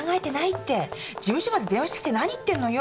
事務所まで電話してきて何言ってんのよ？